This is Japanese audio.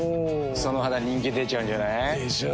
その肌人気出ちゃうんじゃない？でしょう。